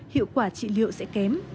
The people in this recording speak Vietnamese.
hiệu quả trị liệu sẽ kém